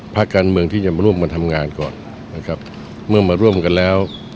พักการเมืองที่จะมาร่วมมาทำงานก่อนนะครับเมื่อมาร่วมกันแล้ว